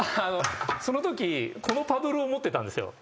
そのときこのパドルを持ってたんですよ。